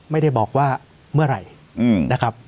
ไม่ได้บอกว่าเมื่อไหร่นะครับ